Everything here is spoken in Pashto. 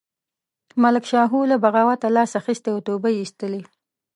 ملک شاهو له بغاوته لاس اخیستی او توبه یې ایستلې.